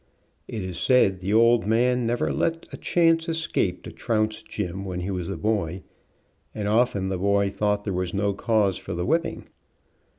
It is said the old man never let a chance escape to trounce Jim when he was a boy, and often the boy thought there was no cause for the whipping.